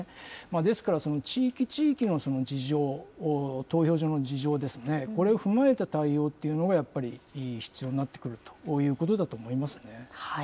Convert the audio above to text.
ですから、地域地域の、その事情、投票所の事情ですね、これを踏まえた対応というのが、やっぱり必要になってくるということだと思いますね。